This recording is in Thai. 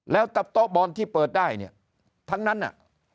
แล้วโต๊ะบอลที่เปิดได้เนี่ยทั้งนั้นน่ะ